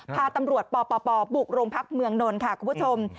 พาตำรวจปปบุกโรงพักเมืองนนท์ค่ะคุณผู้ชม